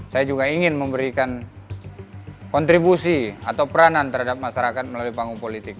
saya juga ingin memberikan kontribusi atau peranan terhadap masyarakat melalui panggung politik